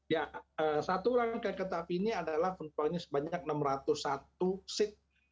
ya satu rangkaian kereta api ini adalah penumpangnya sebanyak enam ratus satu seat